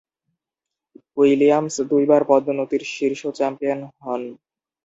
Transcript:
Williams দুই বার পদোন্নতির শীর্ষ চ্যাম্পিয়ন হন।